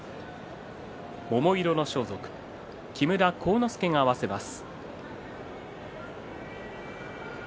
桃色の装束、木村晃之助が合わせます。